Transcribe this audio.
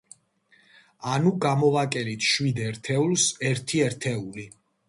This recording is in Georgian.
ანუ გამოვაკელით შვიდ ერთეულს ერთი ერთეული.